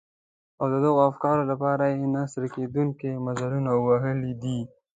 او د دغو افکارو لپاره يې نه ستړي کېدونکي مزلونه وهلي دي.